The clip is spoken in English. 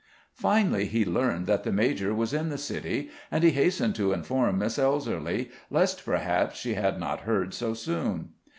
Finally he learned that the major was in the city, and he hastened to inform Miss Elserly, lest, perhaps, she had not heard so soon.